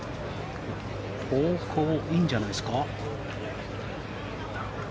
方向いいんじゃないですか。